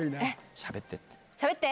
「しゃべって」って。